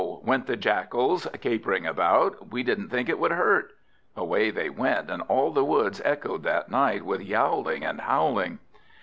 went the Jackals, capering about, "we didn't think it would hurt!" Away they went, and all the woods echoed that night with yowling and howling.